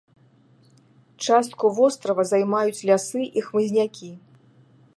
Частку вострава займаюць лясы і хмызнякі.